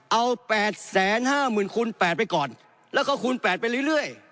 เอา๘๕๐๐๐คูณ๘ไปก่อนแล้วก็คูณ๘ไปเรื่อย